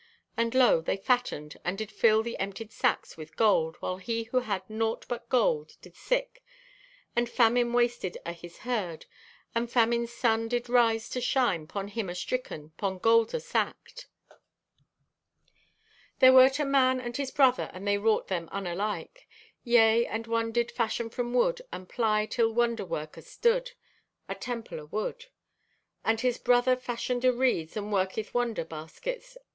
And lo, they fattened and did fill the emptied sacks with gold, while he who hath naught but gold did sick, and famine wasted o' his herd and famine's sun did rise to shine 'pon him astricken 'pon gold asacked." "There wert a man and his brother and they wrought them unalike. Yea, and one did fashion from wood, and ply till wonderwork astood, a temple o' wood. And his brother fashioneth o' reeds and worketh wonder baskets.